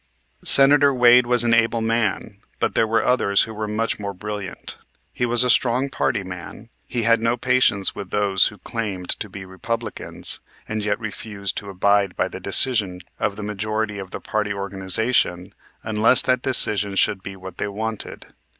Senator Wade was an able man, but there were others who were much more brilliant. He was a strong party man. He had no patience with those who claimed to be Republicans and yet refused to abide by the decision of the majority of the party organization unless that decision should be what they wanted.